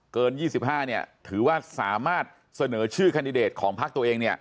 เกิน๒๕ถือว่าสามารถเสนอชื่อแคนดิเดตของพักตัวเอง